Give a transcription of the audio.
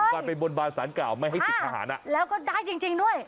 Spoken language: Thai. แล้วก็ได้จริงด้วย